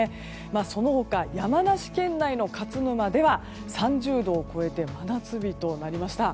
その他、山梨県内の勝沼では３０度を超えて真夏日となりました。